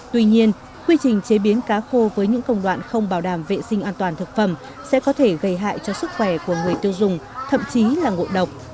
tuy nhiên quy trình chế biến cá khô với những công đoạn không bảo đảm vệ sinh an toàn thực phẩm sẽ có thể gây hại cho sức khỏe của người tiêu dùng thậm chí là ngộ độc